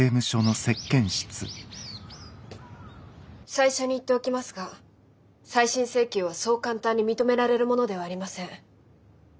最初に言っておきますが再審請求はそう簡単に認められるものではありません。